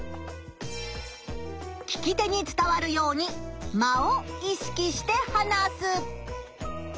聞き手に伝わるように間を意識して話す。